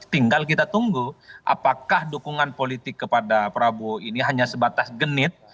tinggal kita tunggu apakah dukungan politik kepada prabowo ini hanya sebatas genit